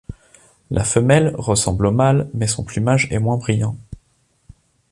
La femelle ressemble au mâle mais son plumage est moins brillant.